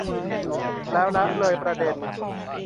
แล้วละเลยประเด็น